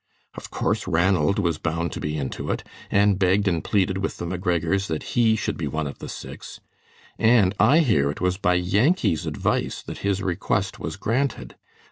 Of course Ranald was bound to be into it, and begged and pleaded with the McGregors that he should be one of the six; and I hear it was by Yankee's advice that his request was granted.